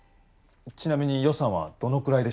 ちなみに予算はどのくらいでしょうか？